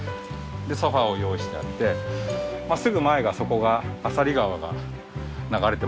でソファーを用意してあってまあすぐ前がそこが朝里川が流れてますので。